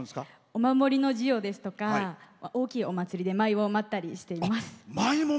お守りの授与ですとか大きいお祭りで舞を舞ったりしています。